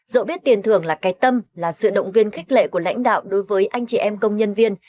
dỗ biết tiền thưởng là cái tâm là sự động viên khích lệ của lãnh đạo đối với anh chị em công nhân viên